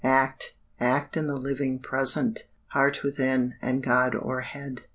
Act, act in the living Present! Heart within, and God o'erhead!